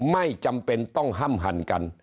ไม่จำเป็นต้องห้ำหั่นกัน